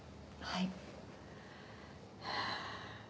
はい。